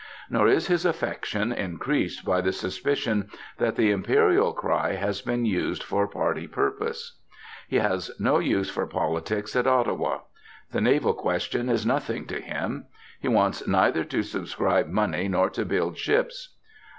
Nor is his affection increased by the suspicion that the Imperial cry has been used for party purposes. He has no use for politics at Ottawa. The naval question is nothing to him. He wants neither to subscribe money nor to build ships.